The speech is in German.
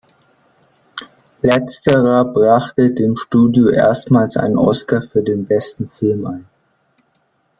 Letzterer brachte dem Studio erstmals einen Oscar für den besten Film ein.